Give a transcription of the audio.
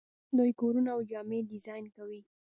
دوی کورونه او جامې ډیزاین کوي.